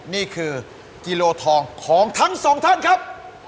นี่คือกิโลทองของทั้งสองท่านครับ